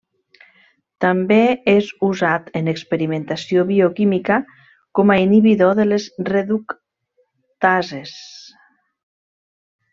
També és usat en experimentació bioquímica com a inhibidor de les reductases.